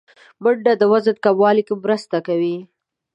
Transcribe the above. منډه د وزن کمولو کې مرسته کوي